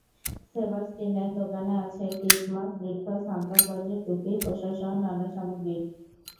সেবাস্টিনের দোকানে আছে ক্রিসমাস বৃক্ষ, সান্তা ক্লজের টুপি, পোশাকসহ নানা সামগ্রী।